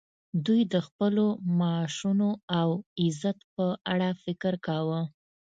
دوی د خپلو معاشونو او عزت په اړه فکر کاوه